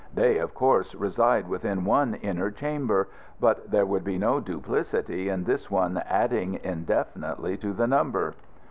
"They, of course, reside within one inner chamber, but there would be no duplicity in this one adding indefinitely to the number."